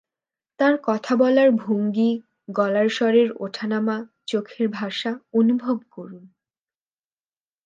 তার কথা বলার ভঙ্গি, গলার স্বরের ওঠানামা, চোখের ভাষা অনুভব করুন।